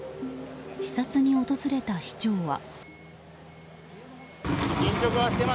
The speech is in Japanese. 視察に訪れた市長は。